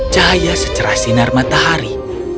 cahaya secerah sinar matahari